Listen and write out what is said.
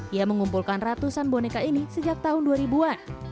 ia mengumpulkan ratusan boneka ini sejak tahun dua ribu an